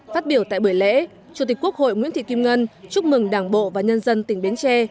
phát biểu tại buổi lễ chủ tịch quốc hội nguyễn thị kim ngân chúc mừng đảng bộ và nhân dân tỉnh bến tre